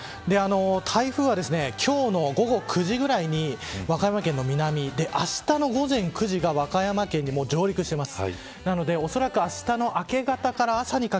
台風は今日の午後９時ぐらいに和歌山県の南であしたの午前９時が和歌山県に上陸しています。